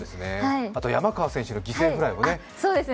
あと、山川選手の犠牲フライもね。